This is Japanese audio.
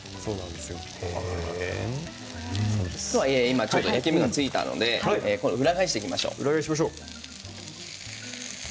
では焼き目がついたので裏返していきましょう。